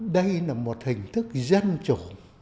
đây là một hình thức dân chủ